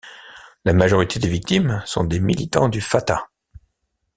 La majorité des victimes sont des militants du Fatah.